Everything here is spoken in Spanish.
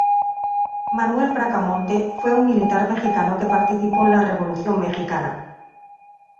Manuel Bracamonte fue un militar mexicano que participó en la Revolución mexicana.